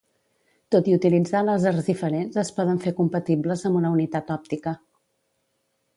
Tot i utilitzar làsers diferents es poden fer compatibles amb una unitat òptica.